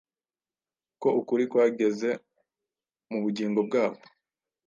ko ukuri kwageze mu bugingo bwabo,